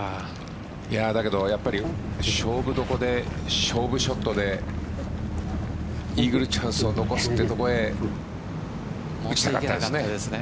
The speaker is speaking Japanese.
だけど、勝負どころで勝負ショットでイーグルチャンスを残すってところで打ちたかったですね。